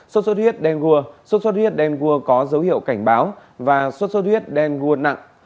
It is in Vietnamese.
sốt xuất huyết đen vua sốt xuất huyết đen vua có dấu hiệu cảnh báo và sốt xuất huyết đen vua nặng